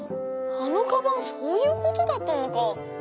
あのかばんそういうことだったのか。